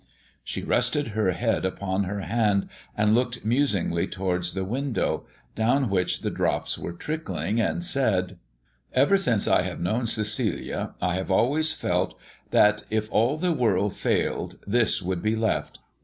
She rested her head upon her hand and looked musingly towards the window, down which the drops were trickling, and said "Ever since I have known Cecilia I have always felt that if all the world failed this would be left.